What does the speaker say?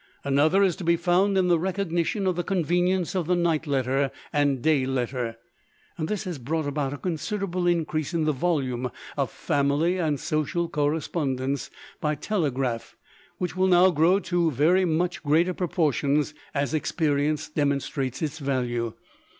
Another is to be found in the recognition of the convenience of the night letter and day letter. This has brought about a considerable increase in the volume of family and social correspondence by telegraph, which will grow to very much greater proportions as experience demonstrates its value.